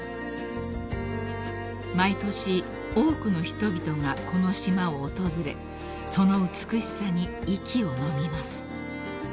［毎年多くの人々がこの島を訪れその美しさに息をのみます］